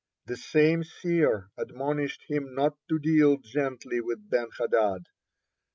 (35) The same seer (36) admonished him not to deal gently with Ben hadad.